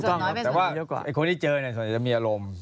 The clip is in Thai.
แต่ว่าคนที่เจอเนี่ยจะมีอารมณ์